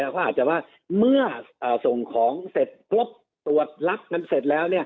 เขาอาจจะว่าเมื่อส่งของเสร็จตรวจลักษณ์เสร็จแล้ว